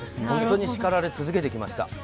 本当に叱られ続けてきました。